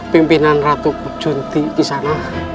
pimpinan ratu junti kisana